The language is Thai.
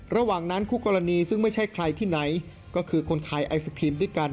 ระหว่างนั้นคู่กรณีซึ่งไม่ใช่ใครที่ไหนก็คือคนขายไอศครีมด้วยกัน